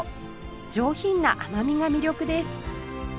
上品な甘みが魅力です